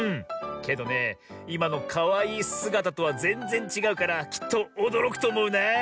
けどねいまのかわいいすがたとはぜんぜんちがうからきっとおどろくとおもうな。